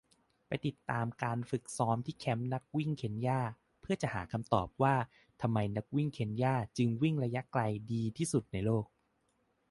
ไปติดตามการฝึกซ้อมที่แคมป์นักวิ่งเคนยาเพื่อจะหาคำตอบว่า ทำไมนักวิ่งเคนยาจึงวิ่งระยะไกลดีที่สุดในโลก